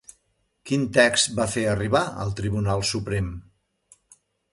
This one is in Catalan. Quin text va fer arribar al Tribunal Suprem?